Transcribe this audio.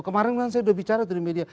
kemarin kan saya udah bicara di media